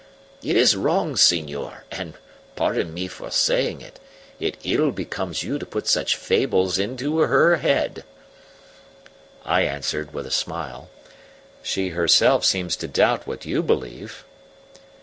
It is wrong, senor, and, pardon me for saying it, it ill becomes you to put such fables into her head." I answered, with a smile: "She herself seems to doubt what you believe."